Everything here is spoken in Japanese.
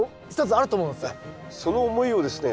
その思いをですね